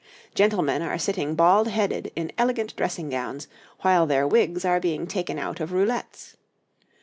Gentlemen are sitting baldheaded in elegant dressing gowns, while their wigs are being taken out of roulettes.